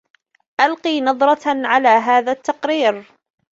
ألق نظرةً على هذا التقرير.